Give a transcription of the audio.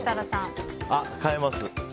変えます。